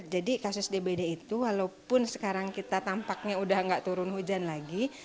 jadi kasus dbd itu walaupun sekarang kita tampaknya udah nggak turun hujan lagi